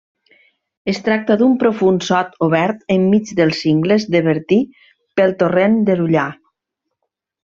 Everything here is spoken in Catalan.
Es tracta d'un profund sot obert enmig dels Cingles de Bertí pel torrent de l'Ullar.